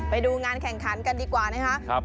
ไปดูงานแข่งขันกันดีกว่านะคะ